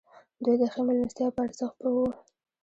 دوی د ښې مېلمستیا په ارزښت پوه وو.